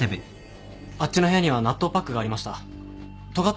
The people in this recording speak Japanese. あっちの部屋には納豆パックがありました。